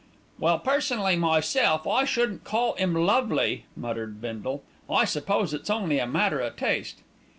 "Well, personally myself, I shouldn't call 'im lovely," muttered Bindle. "I s'pose it's only a matter o' taste."